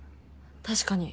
確かに。